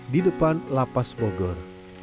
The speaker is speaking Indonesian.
di depan lapas bogor